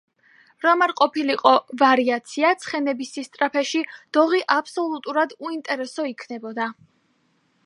რომ არ ყოფილიყო ვარიაცია ცხენების სისწრაფეში, დოღი აბსოლუტურად უინტერესო იქნებოდა.